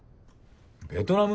ベトナム？